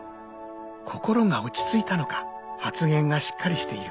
心が落ち着いたのか発言がしっかりしている